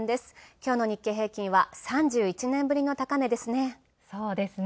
今日の日経平均は３１年ぶりの高値ですね。